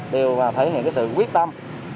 đều thể hiện sự quyết tâm